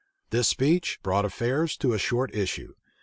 This speech brought affairs to a short issue.